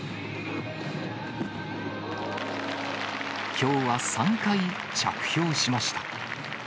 きょうは３回着氷しました。